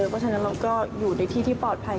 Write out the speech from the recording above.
เพราะฉะนั้นเราก็อยู่ในที่ที่ปลอดภัย